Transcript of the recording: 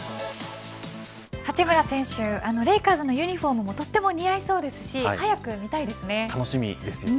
八村選手レイカーズのユニホームもとても似合いそうですし早く見たいですね。